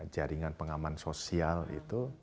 jaringan pengaman sosial itu